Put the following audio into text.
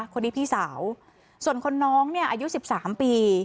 คนนี้พี่สาวส่วนคนน้องเนี่ยอายุสิบสามปี